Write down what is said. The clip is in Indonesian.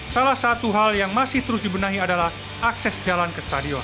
salah satu hal yang masih terus dibenahi adalah akses jalan ke stadion